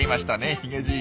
ヒゲじい。